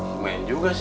bermain juga sih